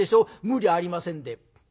無理ありませんで。